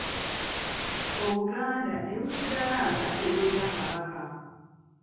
Obuganda ne busigala nga tebulina Kabaka.